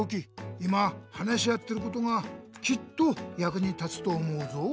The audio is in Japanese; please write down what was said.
今話し合ってることがきっとやくに立つと思うぞ。